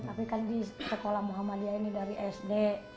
tapi kan di sekolah muhammadiyah ini dari sd